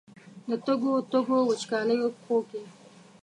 د تږو، تږو، وچکالیو پښو کې